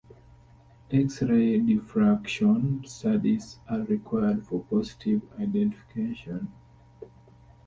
X-ray diffraction studies are required for positive identification.